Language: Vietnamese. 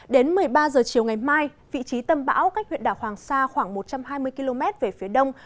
đến một mươi ba h chiều ngày mai vị trí tâm bão cách huyện đảo hoàng sa khoảng một trăm hai mươi km về phía đông